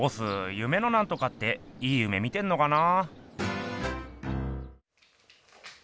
夢のなんとかっていい夢見てんのかな？